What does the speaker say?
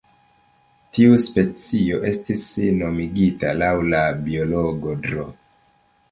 Tiu specio estis nomigita laŭ la biologo Dro.